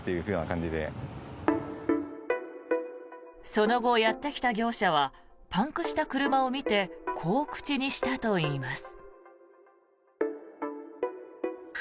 その後、やってきた業者はパンクした車を見てこう口にしたといいます。